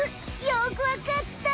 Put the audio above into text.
よくわかった！